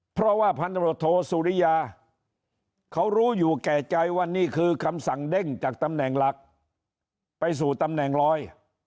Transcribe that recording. เพราะว่าพันตรวจโทสุริยาเขารู้อยู่แก่ใจว่านี่คือคำสั่งเด้งจากตำแหน่งหลักไปสู่ตำแหน่งลอย